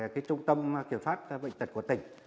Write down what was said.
cái trung tâm kiểm pháp bệnh tật